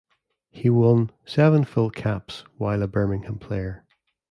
He won seven full caps while a Birmingham player.